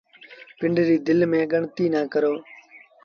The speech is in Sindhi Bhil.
پنڊري دل ميݩ ڳڻتيٚ نا ڪرو